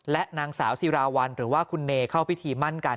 และนางสาวซีราวัลหรือว่าคุณเนยเข้าพิธีมั่นกัน